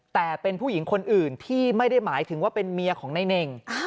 แต่เป็นผู้หญิงคนอื่นที่ไม่ได้หมายถึงว่าเป็นเมียของนายเน่ง